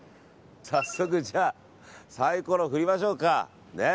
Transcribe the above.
早速、サイコロ振りましょうか。